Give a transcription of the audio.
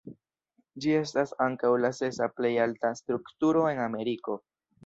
Ĝi estas ankaŭ la sesa plej alta strukturo en Ameriko.